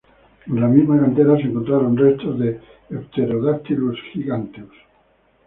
En la misma cantera se encontraron restos de "Pterodactylus giganteus".